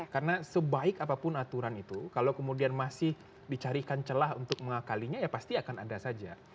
karena sebaik apapun aturan itu kalau kemudian masih dicarikan celah untuk mengakalinya ya pasti akan ada saja